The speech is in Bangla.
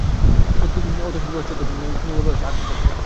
অতসীর বয়স বছর চৌদ, সুনীলের বয়স আট বৎসর।